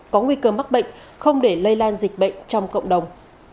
có nguy cơ mắc bệnh không để lây lan dịch bệnh trong cộng đồng